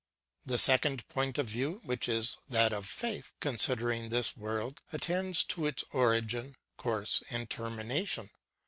The second ])oint of view, which is that of faith, considering this world, attends to its origin, course, and termination.